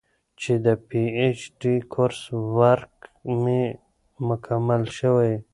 چې د پي اېچ ډي کورس ورک مې مکمل شوے